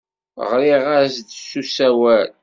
Ɣriɣ-as-d s usawal.